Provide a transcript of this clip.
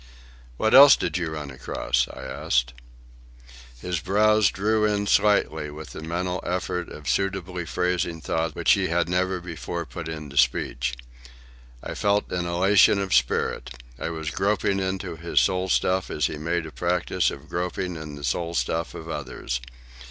"What else did you run across?" I asked. His brows drew in slightly with the mental effort of suitably phrasing thoughts which he had never before put into speech. I felt an elation of spirit. I was groping into his soul stuff as he made a practice of groping in the soul stuff of others.